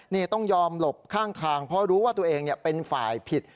นี่ต้องยอมหลบข้างทางเพราะรู้ว่าตัวเองเป็นฝ่ายผิด